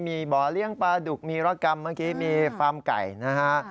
มีบ่อเลี้ยงปลาดุกมีรกรรมเมื่อกี้มีฟาร์มไก่นะฮะ